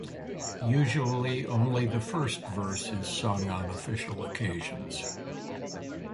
Usually only the first verse is sung on official occasions.